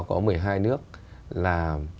có một mươi hai nước là